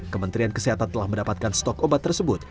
kementerian kesehatan telah mendapatkan stok obat tersebut